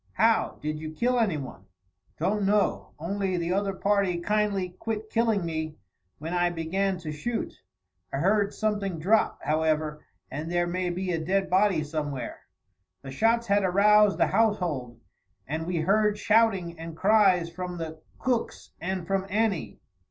"How? Did you kill anyone?" "Don't know, only the other party kindly quit killing me when I began to shoot. I heard something drop, however, and there may be a dead body somewhere." The shots had aroused the household, and we heard shouting and cries from the Cooks and from Annie.